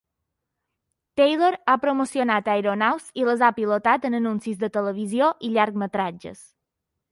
Taylor ha promocionat aeronaus i les ha pilotat en anuncis de televisió i llargmetratges.